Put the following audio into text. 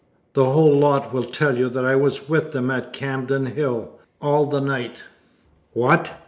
The whole lot will tell you that I was with them at Camden Hill all the night." "What!